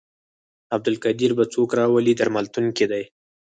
عبدالقدیر به څوک راولي درملتون کې دی.